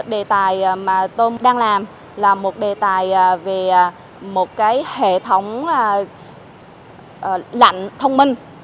đề tài mà tôi đang làm là một đề tài về một cái hệ thống lạnh thông minh